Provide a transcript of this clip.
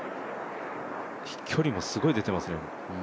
飛距離もすごい出てますね。